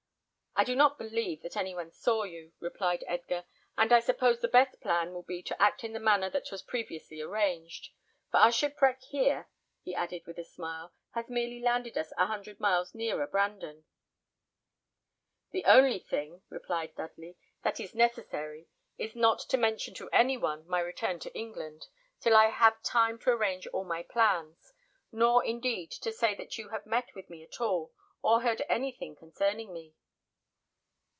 "I do not believe that any one saw you," replied Edgar; "and I suppose the best plan will be to act in the manner that was previously arranged; for our shipwreck here," he added, with a smile, "has merely landed us a hundred miles nearer Brandon." "The only thing," replied Dudley, "that is necessary, is not to mention to any one my return to England, till I have time to arrange all my plans; nor, indeed, to say that you have met with me at all, or heard anything concerning me."